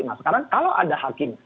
nah sekarang kalau ada hakim